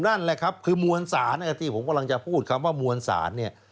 ต้องนั่นแหละครับมวลศานนะครับที่ผมกำลังจะพูดครับว่ามวลศานเนี่ย